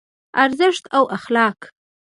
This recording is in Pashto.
ارزښت او اخلاق